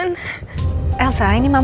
childcare ya enggak